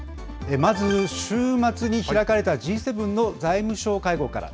まず週末に開かれたＧ７の財務相会合から。